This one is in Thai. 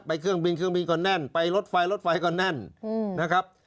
เครื่องบินเครื่องบินก็แน่นไปรถไฟรถไฟก็แน่นนะครับ